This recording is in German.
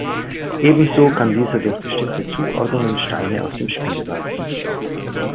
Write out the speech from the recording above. Ebenso kann dieser durch bestimmte Zuordnungen Steine aus dem Spiel werfen.